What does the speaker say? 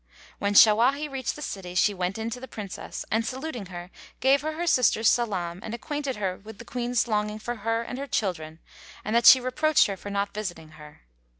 When Shawahi reached the city, she went in to the Princess and saluting her, gave her her sister's salam and acquainted her with the Queen's longing for her and her children and that she reproached her for not visiting her.